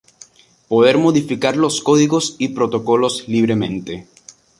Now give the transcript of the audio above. poder modificar los códigos y protocolos libremente